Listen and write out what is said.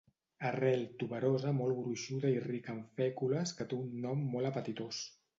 Arrel tuberosa molt gruixuda i rica en fècules que té un nom molt apetitós.